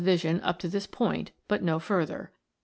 vision up to this point, but no further.